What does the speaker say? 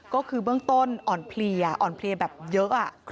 ก็คือเบื้องต้นอ่อนเพลียอ่อนเพลียแบบเยอะ